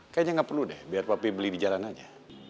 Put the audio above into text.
kayaknya nggak perlu deh biar papi beli di jalan aja